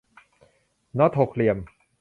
น็อตหกเหลี่ยม